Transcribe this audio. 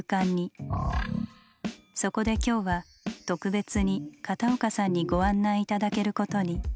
そこで今日は特別に片岡さんにご案内頂けることに。